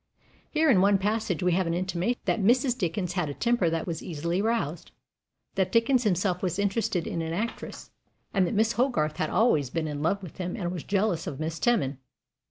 Here in one passage we have an intimation that Mrs. Dickens had a temper that was easily roused, that Dickens himself was interested in an actress, and that Miss Hogarth "had always been in love with him, and was jealous of Miss Teman."